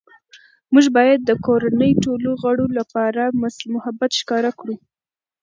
موږ باید د کورنۍ ټولو غړو لپاره محبت ښکاره کړو